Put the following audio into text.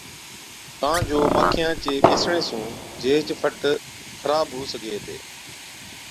ڪان جو ماکِيان چي ٻيسڻي سُون جيهچ فٽ خراب هُو سِگھي هِتي۔